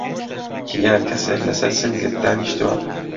یان کەسێک لەسەر سنگت دانیشتووه؟